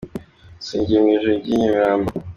Singiye mu Ijuru ngiye i Nyamirambo